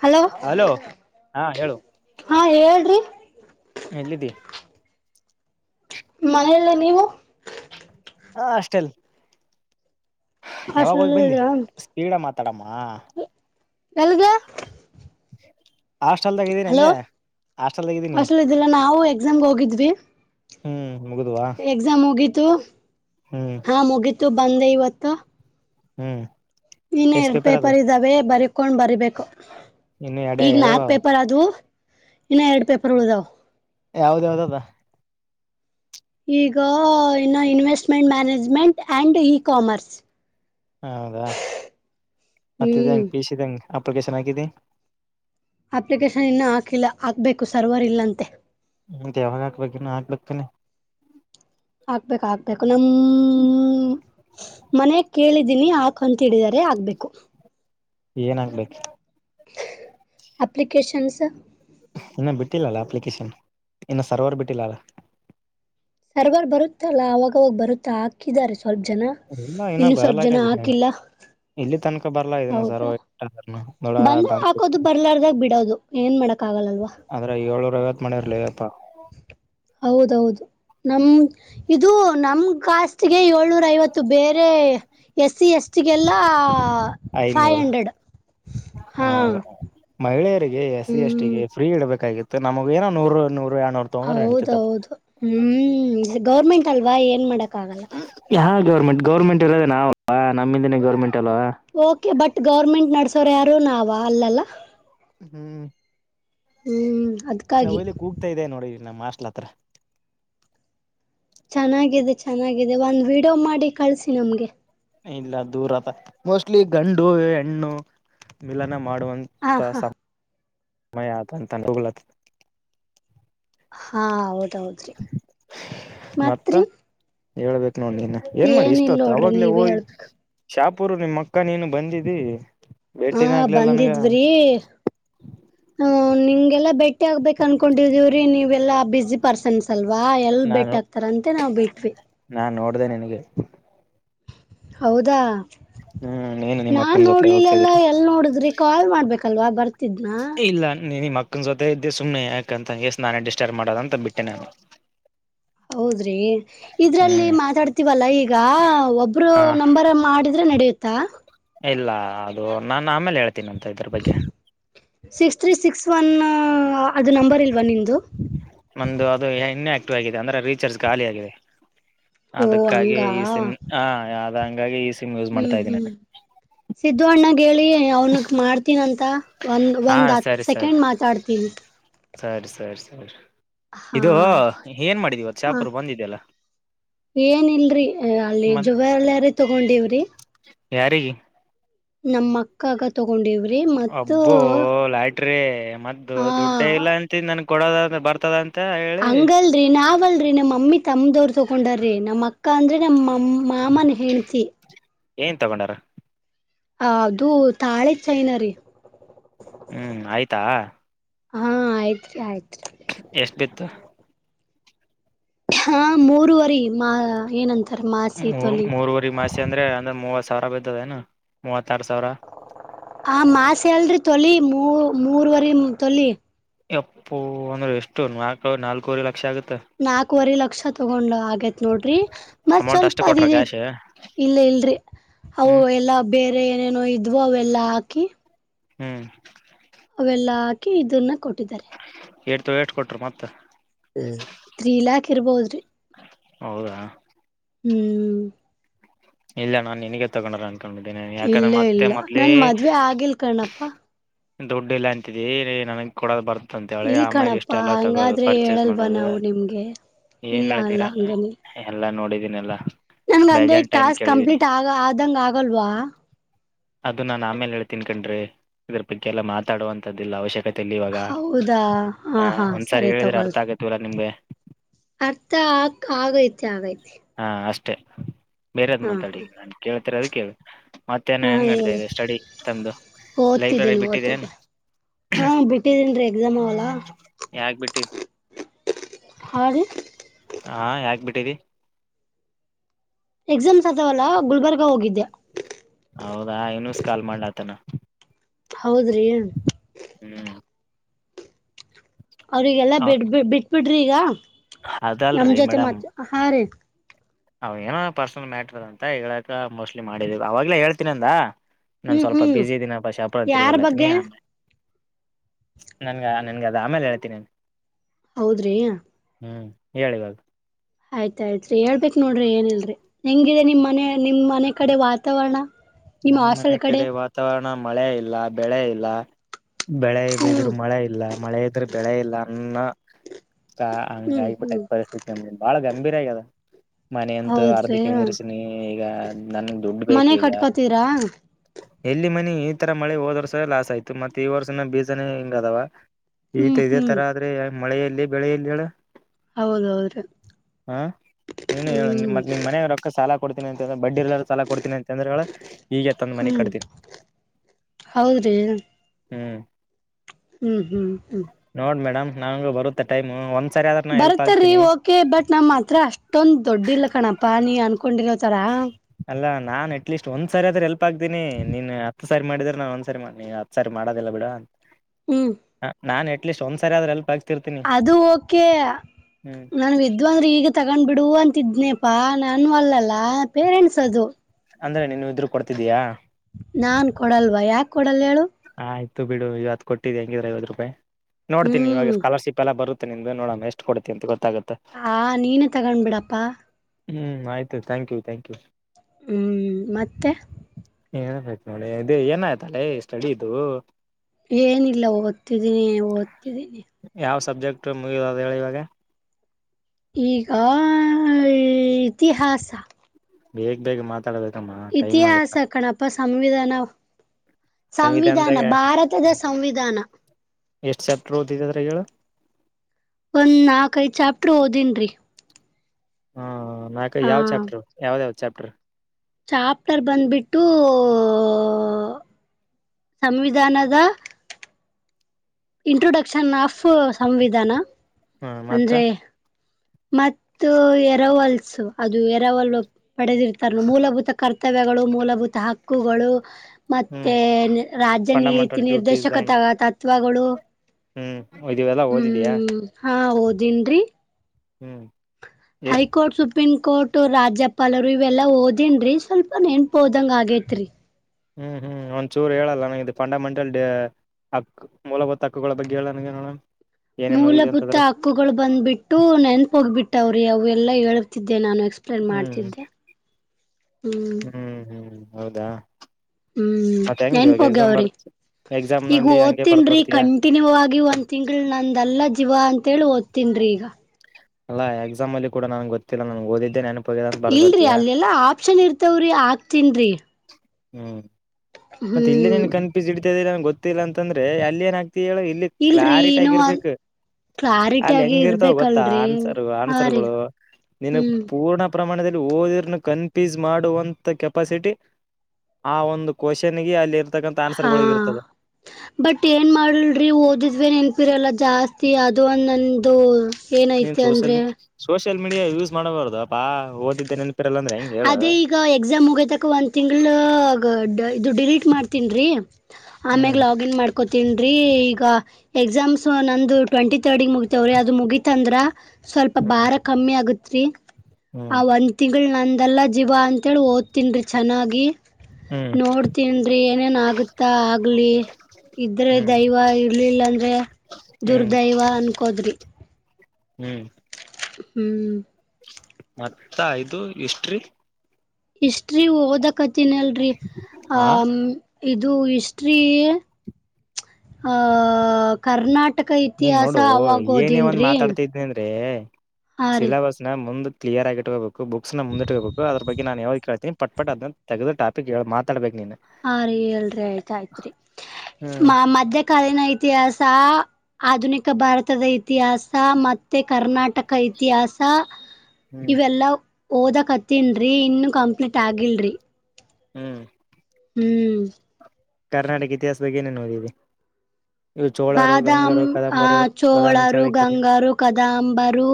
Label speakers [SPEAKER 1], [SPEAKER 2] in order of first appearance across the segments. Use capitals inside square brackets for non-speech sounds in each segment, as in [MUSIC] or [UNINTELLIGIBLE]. [SPEAKER 1] Hello
[SPEAKER 2] ಹಾ ಹೇಳು
[SPEAKER 1] ಹಾ ಹೇಳ್ರಿ
[SPEAKER 2] ಎಲ್ಲಿದ್ದಿ
[SPEAKER 1] ಮನಲ್ಲ ನೀವು
[SPEAKER 2] ಹಾ ಅಷ್ಟಲ್
[SPEAKER 1] ಹಷ್ಟಲಲ್ಲ ಇದಿದರಾ
[SPEAKER 2] ತ್ತಡಮ್ಮ
[SPEAKER 1] ಎಲ್ಗೆ
[SPEAKER 2] ಹಾಸ್ಟೆಲ್ದಾಗ ಇದೀನಿ
[SPEAKER 1] ಹಲೋ
[SPEAKER 2] ಅಂದೆ ಹಾಸ್ಟೆಲ್ದಾಗ ಇದೀನಿ
[SPEAKER 1] ಅಸಲ್ ಇದಿಲ್ಲ ನಾವು ಎಕ್ಸಾಮ್ಗೆ ಹೋಗಿದ್ವಿ
[SPEAKER 2] ಹ್ಮ್ ಮುಗಿದ್ವಾ
[SPEAKER 1] ಎಕ್ಸಾಮ್ ಹೋಗಿ ತ್ತು
[SPEAKER 2] ಹ್ಮ್
[SPEAKER 1] ಹಾ ಮುಗಿತು ಬಂದೈವತ್ತು
[SPEAKER 2] ಹ್ಮ್
[SPEAKER 1] ಇನ್ನು
[SPEAKER 2] ಎಷ್ಟ್
[SPEAKER 1] ಎರಡು
[SPEAKER 2] ಅದು
[SPEAKER 1] ಪೇಪರ್ ಇದ್ದಾವೆ ಬರಿ ಕಕೊಂಡು ಬರೀಬೇಕು
[SPEAKER 2] ಇನ್ನು ಎರಡ
[SPEAKER 1] ಈಗ್
[SPEAKER 2] ಯಾವ್ಯಾವ
[SPEAKER 1] ನಾಕ್ ಪೇಪರ್ ಅದುದು ಇನ್ನು ಎರಡು ಪೇಪರ್ ಉಳುದಾವ
[SPEAKER 2] ಯಾವದ ಯಾವದದ
[SPEAKER 1] ಈಗ ಇನ್ನು investment management and e commerce
[SPEAKER 2] ಹೌದಾ ಮತ್ತ
[SPEAKER 1] ಹ್ಮ್
[SPEAKER 2] ಇದಂಗ ಪೀಸಿದಂಗ ಅಪ್ಲಿಕೇಶನ್ ಆಕಿದೆ
[SPEAKER 1] ಅಪ್ಲಿಕೇಶನ್ ಇನ್ನೂ ಹಾಕಿಲ್ಲ ಹಾಕ್ಬೇಕು ಸರ್ವರ್ ಇಲ್ಲಂತೆ
[SPEAKER 2] ಮತ್ತೆ ಯಾವಾಗ ಹಾಕ್ಬೇಕ ಇನ್ನು ಹಾಕ್ಬೇಕ ತಾನೆ
[SPEAKER 1] ಆಗ್ಬೇಕ ಆಗ್ಬೇಕು ನಮ್ಮ ಮನೆ ಕೇಳಿದ್ದೀನಿ ಆ ಕಂತಿಡಿದರೆ ಆಗ್ಬೇಕು.
[SPEAKER 2] ಏನಗ್ಬೇಕು
[SPEAKER 1] ಅಪ್ಲಿಕೇಶನ್ಸ್
[SPEAKER 2] ಇನ್ನ ಬಿಟ್ಟಿಲ್ಲಲ್ಲ ಅಪ್ಲಿಕೇಶನ್ ಇನ್ನು ಸರ್ವರ್ ಬಿಟ್ಟಿಲ್ಲ.
[SPEAKER 1] ಸರ್ವರ್ ಬರುತ್ತಲ್ಲಾ ಅವಾಗವಾಗ ಬರುತ್ತಾ ಹಾಕಿದ್ದಾರೆ. ಸ್ವಲ್ಪ ಜನ
[SPEAKER 2] ಇಲ್ಲ ಇನ್ನ
[SPEAKER 1] ಇನ್ನು ಸ್ವಲ್ಪ ಜನ
[SPEAKER 2] ಬರಲಾಗಿದ್ದನಿ
[SPEAKER 1] ಹಾಕಿಲ್ಲ
[SPEAKER 2] ಇಲ್ಲಿ ತನಕ
[SPEAKER 1] ಹೌದಾ
[SPEAKER 2] ಬರ್ಲಗ್ಯಾದ ಇನ್
[SPEAKER 1] ಬಂದಾಗ ಹಾಕೋದು ಬರ್ಲಾರ್ದಾಗ ಬಿಡೋದು ಏನ್ ಮಾಡಕ್ ಆಗಲ್ಲಲ್ವಾ
[SPEAKER 2] [UNINTELLIGIBLE] ಆದ್ರಗ್ ಏಳೂರ ಐವತ್ ಮಾಡಿರ್ ಲೆ ಎಪ್ಪಾ.
[SPEAKER 1] ಹೌದೌದು ನಮ್ ಇದು ನಮ ಕಾಸ್ ಹೇ ಏಳ್ನೂರ ಐವತ್ತು ಬೇರೆ ಎಸ್ ಸಿ ಎಸ್ ಟಿ ಗೆಲ್ಲ ಫೈ
[SPEAKER 2] ಐದ್ನೂರು
[SPEAKER 1] ಹಂಡ್ರೆಡ್ ಹ
[SPEAKER 2] ಹೌದು
[SPEAKER 1] ಹ್ಮ್ಮ್.
[SPEAKER 2] ತ್ತು ನಮ್ಗ ಏನ ನೂರು ನೂ
[SPEAKER 1] ಹೌದೌದು ಹ್ಮ್ ಸ್ ಗೌರ್ಮೆಂಟ್ ಅಲ್ವಾ ಎ ಏನ್ ಮಾಡಕ್ ಆಗಲ್ಲ.
[SPEAKER 2] ಗೌರ್ಮೆಟ್ ಗೌರ್ಮೆಂಟ್ ಇರೋದೆ ನಾವ್ ನಮ್ಮಿಂದನೇ ಗರ್ಮಂಟ್.
[SPEAKER 1] ಓಕೆ ಬಟ್ ಗೌರ್ಮೆಂಟ್ ನಡ್ಸೋರ್ ಯಾರು ನಾವ ಅಲ್ಲಲ್ಲ.
[SPEAKER 2] ಹ್ಮ್
[SPEAKER 1] ಹ್ಮ್
[SPEAKER 2] ನಾವ್
[SPEAKER 1] ಅದ್ಕಾಗಿ
[SPEAKER 2] ಇಲ್ಲಿ ಕೋಗ್ತಾ ಇದೆ ನೋಡಿ. ನಮ್ ಹಾಸ್ಟಲ್ ಅತ್ರ
[SPEAKER 1] ಚೆನ್ನಾಗಿದೆ ಚೆನ್ನಾಗಿದೆ ಒಂದ್ ವೀಡಿಯೋ ಮಾಡಿ ಕಳ್ಸಿ ನಮ್ಗೆ.
[SPEAKER 2] ಇಲ್ಲ ದೂರದ ಮೋಸ್ಟ್ಲಿ ಗಂಡು ಹೆಣ್ಣು ಮಿಲ. ನ
[SPEAKER 1] ಹಾ
[SPEAKER 2] ಮಾಡುವಂತ
[SPEAKER 1] ಹಾ
[SPEAKER 2] ಸಪ್ ಸಮಯ ಆದಂತ. [UNINTELLIGIBLE]
[SPEAKER 1] ಹಾ ಹೌದ್ ಹೌದ್ರಿ ಮತ್ರಿ.
[SPEAKER 2] ಹೇಳ್ಬೇಕು ನೋಡ ನೀನಾ ಏನ್ ಮಾಡಿ ಇಷ್ಟ
[SPEAKER 1] ಏನಿಲ್ಲ
[SPEAKER 2] ಹೊತ್ತು
[SPEAKER 1] ನೋಡ್ರಿ
[SPEAKER 2] ಅವಾಗಲೇ
[SPEAKER 1] ನೀವೇ
[SPEAKER 2] ಹೋಗಿ.
[SPEAKER 1] ಹೇಳ್ಬೇಕು
[SPEAKER 2] ಶಾಪೂರು ನಿಮ್ಮ ಅಕ್ಕ ನೀನು ಬಂದಿದ್ದಿ.
[SPEAKER 1] ಹ ಬಂದಿದ್ವ್ರಿ ನಿಂಗೆಲ್ಲ ಬೆಟ್ ಆಗ್ಬೇಕ ಅನ್ಕೊಂಡಿದೀವ್ರರಿ. ಎಲ್ಲ ಬಿಸಿ ಪರ್ಸನ್ಸ್ ಅಲ್ವಾ ಎಲ್ ಬಿಟ್ಟಾಕ್ತಾರ ಅಂತೆ ನಾವು ಬಿ
[SPEAKER 2] ನಾ ನೋಡ್ದ ನಿನಗೆ
[SPEAKER 1] ಹೌದಾ
[SPEAKER 2] ಹ್ಮ್ ನೀನು ನಿಮ್ಮ
[SPEAKER 1] ನಾನ್
[SPEAKER 2] ಅಕ್ಕನ ಜೊತೆ
[SPEAKER 1] ನೋಡ್ಲಿಲ್ಲಲ್ಲ
[SPEAKER 2] ಹೋಗ್ತಿದ್ರಿ
[SPEAKER 1] ಎಲ್ ನೋಡಿದ್ರಿ ಕಾಲ್ ಮಾಡ್ಬೇಕ. ಅಲ್ವಾ ಬರ್
[SPEAKER 2] ಇಲ್ಲ ನಿ ಮಕ್ಕ ಅಕ್ಕನ್ ಜೊತೆ ಇದ್ದೆ ಸುಮ್ನೆ ಯಾಕಂತ ಎಷ್ಟ ನಾನೇ ಡಿಸ್ಟರ್ಬ್ ಮಾಡೋದ ಅಂತ ಬಿಟ್ಟೆ ನಾನು
[SPEAKER 1] ಹೌದ್ರಿ ಇದ್ರಲ್ಲಿ
[SPEAKER 2] ಹ್ಮ್
[SPEAKER 1] ಮಾತಾಡ್ತಿವಲ್ಲಾ ಈಗ ಒಬ್ಬರು
[SPEAKER 2] ಹ
[SPEAKER 1] ನಂಬರ್ ಮಾಡಿದ್ರೆ ನಡೆಯುತ್ತೆ ತ್ತ
[SPEAKER 2] ಇಲ್ಲ ಅದು ನಾನ್ ಆಮೇಲೆ ಹೇಳ್ತನೆ
[SPEAKER 1] ಸಿಕ್ಸ್ ತ್ರೀ ಸಿಕ್ಸ್ ಒನ್ ಅದು ನಂಬರ್ ಇಲ್ವಾ ನಿದ
[SPEAKER 2] ಒಂದು ಅದು ಇನ್ನೆ ಆಕ್ಟಿವ್ ಆಗಿದೆ ಅಂದ್ರೆ ರೀಚಾರ್ಜ್ ಖಾಲಿ ಆಗಿದೆ
[SPEAKER 1] ಓ
[SPEAKER 2] ಅದಕ್ಕಾಗಿ
[SPEAKER 1] ಹಂಗ
[SPEAKER 2] ಈ ಸಿಮ ಹ ಯ ಹಂಗಾಗಿ ಈ ಸಿಮ್ ಯೂಸ್
[SPEAKER 1] ಹ್ಮ್
[SPEAKER 2] ಮಾಡ್ತಾ ಇದ್ದೀನಿ
[SPEAKER 1] ಹ್ಮ್
[SPEAKER 2] ನಾನು
[SPEAKER 1] ಸಿದ್ದು ಒ ಹೇಳಿ ಅವ್ನ ಮಾಡ್ತೀನಂತ ಒಂದು
[SPEAKER 2] ಹಾ
[SPEAKER 1] ಒಂದು್ ಹತ್ತು
[SPEAKER 2] ಸರಿ ಸರಿ
[SPEAKER 1] ಸೆಕೆಂಡ್ ಮಾತಾಡ್ತೀನಿ
[SPEAKER 2] ಸರಿ ಸರಿ ಸರಿ
[SPEAKER 1] ಹಾ
[SPEAKER 2] ಇದು ಏನ್ ಮಾಡಿದಿ ಇವತ್
[SPEAKER 1] ಹ
[SPEAKER 2] ಶಾಪುರ್ ಬಂದಿದ್ಯಲ್ಲ
[SPEAKER 1] ಏನ ಇಲ್ರಿ ಅಲ್ಲಿ
[SPEAKER 2] ಮ
[SPEAKER 1] ಜುವಲ್ಲಾರಿ ತಗೊಂಡಿವ್ರಿ
[SPEAKER 2] ಯಾರಿಗೆ
[SPEAKER 1] ನಮ್ಮ ಅಕ್ಕಗ ತಗೊಂಡವ ಮ
[SPEAKER 2] ಮದ್ದು ದುಡ್ಡ ಇಲ್ಲ ಅಂತ ನನ್ ಕೊಡದ ಬರ್ತದಂತ
[SPEAKER 1] ಹಂಗಲ್ರಿ ನಾವ್ಲ್ರರಿ ನಮ್ ಮಮ್ಮಿ ತಮ್ದವ್ರರು ತಕೊಂಡಾರ್ರಿ ನಮ್ಮಕ್ಕ ಕಾಂದ್ರನಮ್ಮ ಮಾಮನ ಹೆೇಣತಿ
[SPEAKER 2] ಏನ್ ತಗೊಂಡಾರ
[SPEAKER 1] ಹ ಅದು ತಾಳೆ ಚೈನರಿ
[SPEAKER 2] ಹ್ಮ್ ಆಯ್ತಾ
[SPEAKER 1] ಹಾ ಆಯ್ತ್ರಿ ಆಯ್ತ್ರಿ
[SPEAKER 2] ಎಷ್ಟು ಬಿತ್ತು
[SPEAKER 1] ಹಾ ಮೂರವರಿ ಮಾ ಏನಂತ
[SPEAKER 2] ಮೂರ್ ಮೂರವರೆ ಮಾಸಿ ಅಂದ್ರೆ ಅಂದ್ರೆ ಮೂವ ಸಾವಿರ ಬದದ ಮೂವತ್ತ ಆರ ಸಾವಿರ
[SPEAKER 1] ಆ ಮಾಸ ಅಲ್ರಿ ತೊಲಿ ಮೂ ಮೂರ್ವರಿ ತೊಲಿ
[SPEAKER 2] ಎಪ್ಪು ಅಂದ್ರೆ ಎಷ್ಟು ನಾಲ್ಕು ನಾಲ್ಕೂವರೆ ಲಕ್ಷ ಆಗುತ್ತೆ
[SPEAKER 1] ನಾಕವರೆ ಲಕ್ಷ ತಗೊಂಡ್ ಆಗೇತ್ ನೋಡ್ರಿ ಮತ್
[SPEAKER 2] ಅಮೌಂಟ್
[SPEAKER 1] ಸ್ವಲ್ಪ
[SPEAKER 2] ಅಷ್ಟು
[SPEAKER 1] ಅದ
[SPEAKER 2] ಕೊಟ್ರ ಕ್ಯಾಶ್
[SPEAKER 1] ಇಲ್ಲ ಇಲ್ರಿ ಅವು
[SPEAKER 2] ಹ್ಮ್
[SPEAKER 1] ಎಲ್ಲಾ ಬೇರೆ ನೋ ಇದ್ವ ಅವೆಲ್ಲಾ ಹಾಕಿ
[SPEAKER 2] ಹ್ಮ್
[SPEAKER 1] ಅವೆಲ್ಲಾ ಹಾಕಿ ಇದನ್ನ ಕೊಟ್ಟಿದ್ದಾರೆ
[SPEAKER 2] ಹೇಳ್ತ ಎಷ್ಟ ಕೊಟರು ಮತ್ತ
[SPEAKER 1] ತ್ರೀ ಲಾಕ್ ಇರ್ಬೋದ್ರಿ
[SPEAKER 2] ಹೌದಾ
[SPEAKER 1] ಹ್ಮ್
[SPEAKER 2] ಇಲ್ಲ ನಾನ್ ನಿನಗೆ ತಗೊಂಡ
[SPEAKER 1] ಇಲ್ಲ ಇಲ್ಲ ನನ್ ಮದ್ವೆ ಆಗಿಲ್ ಕಣಪ್ಪಾ
[SPEAKER 2] ದುಡ್ಡು ಇಲ್ಲ ಅಂತಿದಿ ನನನ್ಗೆ ಕೊಡ ಬರ್ ಗ ಅಂತೇಳಿ
[SPEAKER 1] ಇಲ್
[SPEAKER 2] ಆಮ್ಯಾಗ ಇಷ್ಟ
[SPEAKER 1] ಕಣಪ್ಪಾ
[SPEAKER 2] ಎಲ್ಲ ತಗೋದು
[SPEAKER 1] ಹಂಗಾದ್ರೆ
[SPEAKER 2] ಪರ್ಚೇಸ್
[SPEAKER 1] ಹೇಳಲ್ವಾ
[SPEAKER 2] ಮಾಡೋದು
[SPEAKER 1] ನಾವು ನಿಮ್ಗೆ
[SPEAKER 2] ಏನ್
[SPEAKER 1] ಇಲ್ಲ ಅಲ್ಲ
[SPEAKER 2] ಹೇಳಳ್ತೀರಾ ಎಲ್ಲಾ ನೋಡಿದ ಜನಲ್ಲ
[SPEAKER 1] ನಂಗ ಅಂದ ಟಾಸ್ಕ್ ಕಂಪ್ಲೀಟ್ ಆಗ ಆದಂಗ ಆಗಲ್ವಾ
[SPEAKER 2] ಅದು ನಾನ್ ಆಮೇಲೆ ಹೇಳ್ತೀನ್ ಕ್ರಿ ಇದ್ರ ಬಗ್ಗೆ ಎಲ್ಲ ಮಾತಾಡುವಂತದಲ್ಲ ಅವಶ್ಯಕತೆ ಲ್ಲಿ ಇವಾಗ
[SPEAKER 1] ಹೌದಾ ಹಾ
[SPEAKER 2] ಹ
[SPEAKER 1] ಹಾ
[SPEAKER 2] ಒಂದ್ಸಾರಿ
[SPEAKER 1] ಸರಿ
[SPEAKER 2] ಹೇಳಿದ್ರೆ ಅರ್ಥ
[SPEAKER 1] ತಗೊಳ್ರಿ
[SPEAKER 2] ಆಗತಲ್ಲಾ ನಿಮ್ಗೆ
[SPEAKER 1] ಅರ್ಥ ಆಕ್ ಆಗೈತೆ ಆಗೈತಿ
[SPEAKER 2] ಹಾ ಅಷ್ಟೇ ತ್ತೆ ಬೇರೆದ್
[SPEAKER 1] ಹಾ
[SPEAKER 2] ಮಾತಾಡ ನ ಕೇಳ ಅದ ಕೇಳ ಮತ್ತ್ಯಾಹ್ನ
[SPEAKER 1] ಹಾ
[SPEAKER 2] ಹೆಂಗ
[SPEAKER 1] ಹೇಳು
[SPEAKER 2] ನಡತಾದೆ ಸ್ಟಡಿ ತಂದು ಲೈಬ್ರರಿ
[SPEAKER 1] ಓದ್ತಿದ್ದೀನಿ
[SPEAKER 2] ಬಿಟ್ಟಿದ್ದರೇ
[SPEAKER 1] ಓದ್ತಿದ್ದೀನಿ ಹಾ ಬಿಟ್ಟಿದೀನ್ ರೀ
[SPEAKER 2] ಯಾಕ ಬಿಟ್ಟ ಟ
[SPEAKER 1] ಹ
[SPEAKER 2] ಹಾ ಯಾಕ್ ಬಿಿಟ್ಟಿದಿ
[SPEAKER 1] ಎಕ್ಸಾಮ್ ದವಲ್ಲ ಗುಲ್ಬರ್ಗ ಹೋಗಿದ್ದ್ಯಾ
[SPEAKER 2] ಹೌದಾ ಇನೂಸ್ ಕಾಲ್ ಮಾಡ್ಲಾತನ
[SPEAKER 1] ಹೌದ್ರಿ
[SPEAKER 2] ಹ್ಮ್
[SPEAKER 1] ಅವ್ರರಿಗೆಲ್ಲ
[SPEAKER 2] ಅವ್
[SPEAKER 1] ಬಿಡ್ ಬಿಟ್ಬಿಟ್ಟ ಬಿಡ್ರಿಗ
[SPEAKER 2] ಅದಲ್ರಿ
[SPEAKER 1] ನಮಜಚ
[SPEAKER 2] ಮೇಡಮ್
[SPEAKER 1] ಮಾತ ಹಾ ರೇ
[SPEAKER 2] ಅವ ಏನೋ ಪರ್ಸನಲ್ ಮ್ಯಾಟ್ರ ಅ ಅಂತ ಈಕ ಮೋಸ್ಟ್ಲಿ ಮಾಡಿದವಿ ಅವಾಗಲಾ ಹೇಳ್ತೀನ ಅಂದ ನಾನನ್
[SPEAKER 1] ಹ್ಮ್
[SPEAKER 2] ಸ್ವಲ್ಪ
[SPEAKER 1] ಹ್ಮ್
[SPEAKER 2] ಬಸ ಇದೀನ ಪ ಶಾಪ
[SPEAKER 1] ಯಾರ್
[SPEAKER 2] ತಿರ್ಗಾಡ್ಲಾತಿನನಿ
[SPEAKER 1] ಬಗ್ಗೆ
[SPEAKER 2] ಆಮೆ ನನ್ಗ ನನ್ಗ ಅದ ಆಮೇಲೆ ಹೇಳ್ತೀನಿ
[SPEAKER 1] ಹೌದ್ರಿ
[SPEAKER 2] ಹ್ಮ್ ಹೇಳಿಿವಾಗ
[SPEAKER 1] ಆಯ್ತ್ಾಯ್ತ್ರಿ ಹೇಳ್ಬೇಕಕ್ ನೋಡ್ರಿ ಏನ್ಿಲ್ರರಿ ಹೆಂಗಿದೆ ನಿಮ್ಮ್ ಮನೆ ನಿಮ್ಮ್ ಮನೆ ಕಡೆ ವಾತಾವರಣ ನಿಮ್
[SPEAKER 2] ನಮ್ಮ್ ಮನೆ
[SPEAKER 1] ಹಾಸ್ಟೆಲ್
[SPEAKER 2] ಕಡೆ ವಾತಾವರಣ ನ ಮಳೆ ಇಲ್ಲ ಬೆಳೆ ಇಲ್ಲ ಬೆಳೆ ಬ ಇದ್ರರು
[SPEAKER 1] ಹ್ಮ್
[SPEAKER 2] ಮಳೆ ಇಲ್ಲ ಮಳೆ ಇದ್ರೆ ಬೆಳೆ ಇಲ್ಲ ನ ಕ ಹಂಗ
[SPEAKER 1] ಹ್ಮ್
[SPEAKER 2] ಆಗ್ಬಿಟ್ಟೈ
[SPEAKER 1] ಹ್ಮ್
[SPEAKER 2] ಪರಿಸ್ಥಿತಿ ನಮ್ದ ಬಾಳ ಗಂಭೀರ ಆಗ್ಯದ ಮನ ಅಂತೂ ಅರ್ಧಿ
[SPEAKER 1] ಹೌದ್ರಿ
[SPEAKER 2] ಕಿದಿರ್ಸಿನಿ ಈಗ ನನ್ ದುಡ್ ಬೇಕು
[SPEAKER 1] ಮನೆ
[SPEAKER 2] ಈಗ
[SPEAKER 1] ಕಟ್ಕೋತೀರಾ
[SPEAKER 2] ಎಲ್ಲಿ ಮನೆ ಈ ತರ ಮಳೆ ಹೋದವರ್ಸ ಲಾಸ್ ಆಯ್ತು ಮತ್ತೆ ಈ ವರ್ಷನ ಬೀಜನೇ ಹಿಂಗ ಅದಾವ ಈತ
[SPEAKER 1] ಹ್ಮ್
[SPEAKER 2] ಇದೇ
[SPEAKER 1] ಹ್ಮ್
[SPEAKER 2] ತರ ಆದ್ರೆ ಮಳೆಯಲ್ಲಿ ಬೆಳೆಯಲ್ಲಿಳ
[SPEAKER 1] ಹೌದೌದ್ರಿ
[SPEAKER 2] ಹಾ ನೀನು ಹೇಳ ನಿ
[SPEAKER 1] ಹ್ಮ್
[SPEAKER 2] ನಿಮ ಮನಾಗ ರಕ್ಕ ಸಾಲ ಕೊಡ್ತಿನಿ ಅಂದ ಬಡ್ಡಿ ಎಲ್ಲ ಸಲಾ ಕೊಡ್ತೀಿ ಅಂದ್ರೆ
[SPEAKER 1] ಹ್ಮ್ ಹೌದ್ರಿ
[SPEAKER 2] ಹ್ಮ್
[SPEAKER 1] ಹ್ಮ್ ಹ್ಮ್ ಹ್ಮ್
[SPEAKER 2] ನೋಡ್ ಮೇಡಮ್ ನಂಗ ಬರುತ್ತೆ ಟೈಮ್ ಒಂದ
[SPEAKER 1] ಬರ್ತಾರರಿ ಓಕೆ ಬಟ್ ನಮ್ಮ್ ಹತ್ರ ಅಷ್ಟೊಂದ್ ದೊಡ್ಡಿ ಇಲ್ಲ ಕಣ ಪಾನಿ ಅನ್ ಹಕೊಂಡಿರೋ ತರಾ
[SPEAKER 2] ನಾ ಅಟ್ೀಸ್ಟ್ ಒಂದ ಸರಿ ಆದ್ರ ಎ ಗ್ದೀನಿ ನಿನ್ ಸರಿ ಮಾಡಿದ್ರ ನಾನ ಒಂದ ಸರಿ ಮಾಡಿ ಅತ್ ಸಾರಿ ಮಾಡೋದಿಲ್ಲ ಬಿಡ
[SPEAKER 1] ಹ್ಮ್
[SPEAKER 2] ಹ ನಾನ್ ಎ ಷ್ಟ ಒಂದ ಸರಿ ಆದ್ರ
[SPEAKER 1] ಅದು ಓಕೆ
[SPEAKER 2] ಹ್ಮ್
[SPEAKER 1] ನನ್ ವಿದ್ವಂದ್ರೆ ಈಗ ತಗೊಂಡ್ ಬಿಡುುವ ಅಂತ ತಿದನಿಪ್ಪಾ ನಾನ ಅಲ್ಲಲ್ಲ ಪೇರೆಂಟ್ಸ್ ಅದು
[SPEAKER 2] ಅಂದ್ರೆ ನೀನು ಇದ್ರು ಕೊಡ್ತಿದಯಾ
[SPEAKER 1] ನಾನ್ ಕೊಡಲ್ವ ಯಾಕ ಕೊಡಲ್ ಹೇಳು
[SPEAKER 2] ಆಯ್ತು ಬಿಡು ಇವತ್ತುಟ್ಟಿದ್ದ ಹೆಂಗ್ರ ಐವತ್ತು ರೂಪಾಯಿ ನೋಡ್ತೀನಿ ಇವಾಗ
[SPEAKER 1] ಹ್ಮ್
[SPEAKER 2] ಸ್ಕಾಲರ್ಶಿಪ್ ಎಲ್ಲ ಬರುತ್ತೆ ನಿ ನಡ ಎಷ್ಟ ಕೊಡ್ತಿ ಅಂತ ಗೊತ್ತಾಗುತ್ತೆ
[SPEAKER 1] ಹ ನೀನ ತಗೊಂಡ್ಬಿಡಪ್ಪಾ
[SPEAKER 2] ಹ್ಮ್ ಆ್ತು ಥಾಂಕ್ ಯು ಥಂಕ್ ಯು
[SPEAKER 1] ಹ್ಮ್ ಮತ್ತೆ
[SPEAKER 2] ಏ್ತು ನೋಡಿ ಏನ್ಾಯಯ್ತಲ್ಲೇ ಕಳದುು
[SPEAKER 1] ಏನಿಲ್ಲ ಓದ್ತಿದ್ದೀನಿ ಓದ್ತಿದ್ದೀನಿ
[SPEAKER 2] ಯಾವ ಸಬ್ಜೆಕ್ಟ್ ಮುಗ ಹೇಳಿ ಇವಾಗ
[SPEAKER 1] ಈಗ ಇತಿಹಾಸ
[SPEAKER 2] ಬೇಗ ಬೇಗ ಮಾತ್ರ
[SPEAKER 1] ಇತಿಹಾಸ ಕಣಪ ಸಂವಿಧಾನ ಸಂವಿಧಾನ
[SPEAKER 2] ಸಂವಿಧಾನದಾಗ
[SPEAKER 1] ಭಾರತದ ಸಂವಿಧಾನ
[SPEAKER 2] ಕಯಳ
[SPEAKER 1] ಒಂದ್ ನಾಕೈ ಚಾಪ ಓದನ್ರಿ
[SPEAKER 2] ಹಾ ನಾಕ ಯಾವ ಚಾಪ್ಟರ್ ಯಾವ್ದಾವ ಚೆಪ್ಟರ್
[SPEAKER 1] ಚಾಪ್ಟರ್ ಬಂದ್ಬಿಟ್ಟು ಉ ಸಂವಿಧಾನದ ಇಂಟ್ರೊಡಕ್ಷನ್ ಆಫ್ ಸಂವಿಧಾನ
[SPEAKER 2] ಹ್ಮ ಮತ್ತ
[SPEAKER 1] ಅಂದ್ರೆ ಮತ್ತು ಎರವಲ್ಸು ಅದು ಎರವಲ್ ಪಡೆದಿರ್ತಾರ ಮೂಲಭೂತ ಕರ್ತ ಕರ್ತವ್ಯಗಳು ಮೂಲಭೂತ ಹಕ್ಕುಗಳು
[SPEAKER 2] ಹ್ಮ್
[SPEAKER 1] ಮತ್ತೆ ರಾಜ್ಯ ನೀತಿ
[SPEAKER 2] ಫಂಡಮೆಂಟಲ್
[SPEAKER 1] ನಿರ್ದೇಶಕ ತಗತ್ ಇವಾಗಗಳು
[SPEAKER 2] ಹ್ಮ ಇದೆಲ್ಲ ಓದಿದಯಾ
[SPEAKER 1] ಹೋದನ್ರಿ
[SPEAKER 2] ಹ್ಮ್ ಎಷ್ಟ
[SPEAKER 1] ಹೈಕೋರ್ಟ್ ಸ ಪಿನ್ಕೋಟ್ ರಾಜ್ಯಪಾಲರು ಇವೆಲ್ಲಾ ಓದಿನ್ರಿ ಸ್ವಲ್ಪ ನೆನ್ಪ ಓದಂಗ ಆಗೇತ್ರಿ
[SPEAKER 2] ಹ್ಮ್ ಹ್ಮ್ ಒಂದ್ಚೂರು ಹೇಳಲ್ಲ ನನಗೆ ಇದು ಫಂಡಮೆಂಟಲ್ ಡ ಹಕ್ಕ ಮೂಲಭೂತ ಹಕ್ಕುಗಳ ಬಗ್ಗೆ ಹೇಳ ನಗೆೋಡ
[SPEAKER 1] ಮೂಲಭೂತ ಹಕ್ಕುಗಳು ಬಂದ್ಬಿಟ್ಟು ನೆನ್ಪ ಹೋಗ್ಬಿಟ್ಟವ್ರಿ ಅವ ಎಲ್ಲಾ ಹ ಇದೇ ನಾನು ಎಕ್ಸ್ಪ್ಲೇನ್
[SPEAKER 2] ಹ್ಮ್
[SPEAKER 1] ಮಾಡ್ತಿದ್ದೆ ಹ್ಮ್
[SPEAKER 2] ಹೌದಾ
[SPEAKER 1] ಹ್ಮ್
[SPEAKER 2] ಮತ್ತೆ ಹೆಂಗೆ ಇವಾಗ ಎಕ್ಸಾಮ್
[SPEAKER 1] ನೆನ್ಪೋಗ್ಯಾವ್ರಿ
[SPEAKER 2] ಬರ್ತ ಎಕ್ಸಾಮ್
[SPEAKER 1] ಈಗ
[SPEAKER 2] ನಲ್ಲಿ ಹಂಗೆ ಬರ್ತ್
[SPEAKER 1] ಓದ್ತನ್ರೀ
[SPEAKER 2] ಬರ್ತೀಯಾ
[SPEAKER 1] ಕಂಟಿನ್ಯೂ ಆಗಿ ಒಂದ್ ತಿಂಗಗಳ ನಂದಲ್ಲ ಶಿವ ಅಂತೇಳಿ ಓದ್ತನರೀ ಈಗ
[SPEAKER 2] ಅಲ್ಲ ಎಕ್ಸಾಮ್ ಅಲ್ಲಿ ಕೂಡ ನನ್ ಗೊತ್ತಿಲ್ಲ ನನ್ ಓದಿದ್ದೆನೆ ನ
[SPEAKER 1] ಇಲ್ರರಿ ಅಲ್ಲೆಲ್ಲಾ ಆಪ್ಷನ್ ಇರ್ತವ್ರಿ ಆಗ್ತನ್ರಿ
[SPEAKER 2] ಹ್ಮ್ ಮತ್ತೆ ಇಲ್ಲೇ ನನ್ ಕನ್ಪಿಸಿ ಇಡ ನಗೆ ಗೊತ್ತಿಲ್ಲ ಅಂದ್ರೆ ಅಲ್ಲಿ ಏ ಹ ಹೇಳ ಇಲ್ಲಿ
[SPEAKER 1] ಇಲ್ರಿ
[SPEAKER 2] ಕ್ಲಾರಿಟಿ
[SPEAKER 1] ಇನ್ನು
[SPEAKER 2] ಆಗಿರ್ಬೇಕು
[SPEAKER 1] ಕ್ಲಾರಿಟಿ
[SPEAKER 2] ಅಲ್ಲಿ
[SPEAKER 1] ಆಗಿ
[SPEAKER 2] ಹೆಂಗ ಇರ್ತಾವ ಗೊತ್ತ
[SPEAKER 1] ಇರ್ಬೇಕಲ್ರಿ
[SPEAKER 2] ಆನ್ಸರ್
[SPEAKER 1] ಹಾ ರೀ
[SPEAKER 2] ಆನ್ಸರ್ಗಳು ನಿನಗ
[SPEAKER 1] ಹ್ಮ್
[SPEAKER 2] ಪೂರ್ಣ ಪ್ರಮಾಣದಲ್ಲಿ ಓದಿರ್ ಕನ್ಫ್ಯೂಸ್ ಮಾಡುವಂತ ಕೆಪಾಸಿಟಿ ಆ ಒಂದು ಕ್ವಶನ್ಗೆ ಅಲ್ಲಿ ಇರ್ತಕ್ಕಂಥ
[SPEAKER 1] ಹಾ
[SPEAKER 2] ಆನ್ಸರ್ಗಳೊಳಗ ಇರ್ತದ
[SPEAKER 1] ಬಟ್ ಏನ್ ಮಾಡಲ್ರಿ ಓದಿದ್ವಿೇ ನೆನ್ಪಿರಲ್ಲ ಜಾಸ್ತಿ ಅದು ಒಂದು ನದು
[SPEAKER 2] ನೀನ್ ಸೋಷಿಯಲ್ ಸೋಷಿಯಲ್ ಮೀಡಿಯಾ ಯೂಸ್ ಮಾಡಬಾರ್ದ ಬಾ ಓದಿದ್ದೆನೆ
[SPEAKER 1] ಅದೇ ಈಗ ಎಕ್ಸಾಮ್ ಮುಗಿತಕ ಒಂದ್ ತಿಂಗಳ ಇದು ಡಿಲೀಟ್ ಮಾಡ್ತ ತಿನ್ರಿ ಆಮ್ಯಾಗ
[SPEAKER 2] ಹ್ಮ್
[SPEAKER 1] ಲಾಗಿನ್ ಮಾಡ್ಕ ಕೋತಿನ್ರೀ ಈಗ ಎಕ್ಸಾಮ್ಸ್ ನಂದು ಟ್ವೆಂಟಿ ತರ್ಡ್ಗ್ ಮುಗಿತವ್ರಿ ಅದು ಮುಗಿತ ಅಂದ್ರ ಸ್ವಲ್ಪ
[SPEAKER 2] ಹ್ಮ್
[SPEAKER 1] ಭಾರ ಕಮ್ಮಿ ಆಗತ್ರಿ
[SPEAKER 2] ಹ್ಮ್
[SPEAKER 1] ಆ ಒಂದ್ ತಿಂಗ ಗಳು ನಂದೆಲ್ಲ ಜೀವ ಅಂತೇಳಿ ಓದ್ತನ್ರಿ ಚೆನ್ನಾಗಿ
[SPEAKER 2] ಹ್ಮ್
[SPEAKER 1] ನೋಡ್ತೀನ್ರೀ ಏನೇನ್ ಆಗುತ್ತಾ ಆಗ್ಲಿ ಇದ್ರೆ
[SPEAKER 2] ಹ್ಮ್
[SPEAKER 1] ದೈವ ಇರ್ಲಿಲ್ಲ ಅಂದ್ರೆ
[SPEAKER 2] ಹ್ಮ್
[SPEAKER 1] ದುರ್ದೈವ ಅನ್ಕೋದ್ರಿ
[SPEAKER 2] ಹ್ಮ್
[SPEAKER 1] ಹ್ಮ್
[SPEAKER 2] ಮತ್ತ ಐದು ಹಿಸ್ಟರಿ
[SPEAKER 1] ಹಿಸ್ಟ್ರಿ ಓದಕ್ ಕತ್ತಿನಲ್ರಿ ಆ ಇದು ಹಿಸ್ಟ್ರಿ ಆ ಕರ್ನಾಟ
[SPEAKER 2] ನೀನ್ ನೋಡು ಏನೇ ಒಂದ ಮಾತಾಡ್ತಿದ್ದೀನಿ ಅಂದ್ರೆ
[SPEAKER 1] ಹಾ
[SPEAKER 2] [INAUDIBLE]
[SPEAKER 1] ರೀ
[SPEAKER 2] ಸಿಲಬಸ್ನ ಮುಂದ ಕ್ಲಿಯರ್ ಆಗಿ ಇಟ್ಕೊಬೇಕು ಬುಕ್ಸ್ ನ ಮುಂದುಕ್ಕ ಉಪಯೋಗ ಆಗಬೇಕು ನಾ ಯಾವಾಗ ಕೇಳ್ತೀಿ ಪಟ್ಪಟ್ಟಟ್ ಅದ ತೆಗೆದು ಟಪಿಕ್ ಹೇಳ ಮಾತಡ್ಬೇಕು
[SPEAKER 1] ಹಾ ರಿ ಹೇಳ್ರಿ ಆಯ್ತು ಆಯ್ತ್ರಿ
[SPEAKER 2] ಹ್ಮ್
[SPEAKER 1] ಮ ಮಧ್ಯಕಾಲೀನ ಇತಿಹಾಸ ಆಧುನಿಕ ಭಾರತದ ಇತಿಹಾಸ ಮತ್ತೆ ಕರ್ನಾಟ ನಾಟಕ ಇತಿಹಾಸ
[SPEAKER 2] ಹ್ಮ್
[SPEAKER 1] ಇವೆಲ್ಲಾ ಓದಕ್ತ್ತೀನ್ರರಿ ಇನ್ನು ಕಂಪ್ಲೀಟ್ ಆಗಿಲ್ರರಿ
[SPEAKER 2] ಹ್ಮ್
[SPEAKER 1] ಹ್ಮ್
[SPEAKER 2] ಕರ್ನಾಟಕ ಇತಿಹಾಸ ಬಗ್ಗೆ ಏನೇ ನೋಡಿದೆ
[SPEAKER 1] ಬಾದಾಮ ಆ
[SPEAKER 2] ಬದಾಮಿ
[SPEAKER 1] ಚೋಳರು
[SPEAKER 2] ಚಳಕಿಯರು
[SPEAKER 1] ಗಂಗರು ಕದಾಂಬರು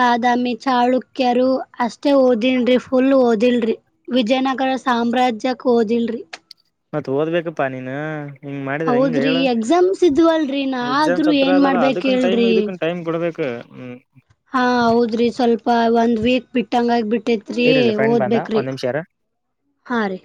[SPEAKER 1] ಬಾದಾಮಿ ಚಾಳು ಚಾಲುಕ್ಯರು ಅಷ್ಟೇ ಓದಿನ್ರಿ ಫುಲ್ ಓದಿಲ್ರಿ ವಿಜಯನಗರ ಸಾಮ್ರಾಜ್ಯಕ್ ಓದಿಲ್ರಿ
[SPEAKER 2] ಮತ್ತು ಓದ್ಬೇಕಪ್ಪ ನೀನು
[SPEAKER 1] ಹೌದ್ರಿ ಎಕ್ಸಾಮ್ಸ್ ಇದ್ವಲ್ರರಿ ನ ಆದ್ರೂ
[SPEAKER 2] ಎಕ್ಸಾಮ್ಸ್ ಹತ್ರ
[SPEAKER 1] ಏನ್
[SPEAKER 2] ಅದಲ್ಲ
[SPEAKER 1] ಮಾಡ್ಬೇಕ
[SPEAKER 2] ಅದಕ್ಕನ್ ಟೈಮ್
[SPEAKER 1] ಹೇಳ್ರಿ
[SPEAKER 2] ಇದಕ್ಕನ್ ಟೈಮ್ ಕೊಡ್ಬೇಕು ಹ್ಮ್
[SPEAKER 1] ಹಾ ಹೌದ್ರಿ ಸ್ವಲ್ಪ ಒಂದ್ ವೀಕ್ ಬಿಟ್ಟ ಹಂಗಾಗಿ ಬಿಟ್ಟ ಇಟ್ಟೇತ್ರಿ
[SPEAKER 2] ಇರಲಿ ಫ್ರೆಂಡ್ ಬಂದ
[SPEAKER 1] ಓದ್ಬೇಕ್ರಿ
[SPEAKER 2] ಒಂದ್ ನಿಮಿಷ ಇರು
[SPEAKER 1] ಹಾ ರೀ